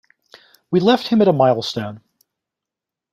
We left him at a milestone.